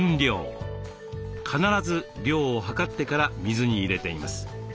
必ず量をはかってから水に入れています。